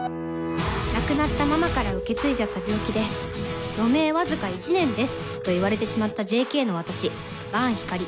亡くなったママから受け継いじゃった病気で「余命わずか１年です」と言われてしまったＪＫの私伴ひかり